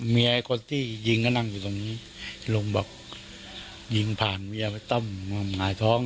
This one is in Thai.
ไอ้คนที่ยิงก็นั่งอยู่ตรงนี้ลุงบอกยิงผ่านเมียไปต้อมหงายท้อง